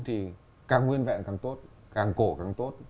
thì càng nguyên vẹn càng tốt càng cổ càng tốt